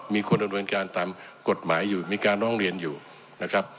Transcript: มีคนดำเนินการตามกฎหมายอยู่มีการร้องเรียนอยู่นะครับ